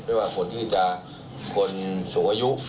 ไม่ว่าคนที่จะคนสูงอายุ